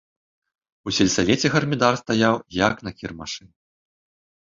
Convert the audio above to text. У сельсавеце гармідар стаяў, як на кірмашы.